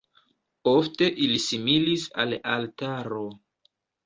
Ofte ili similis al altaro.